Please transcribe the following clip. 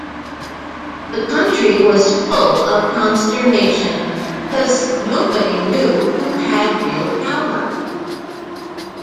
The country was full of consternation, because nobody knew who had real power.